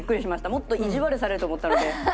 もっと意地悪されると思ったので。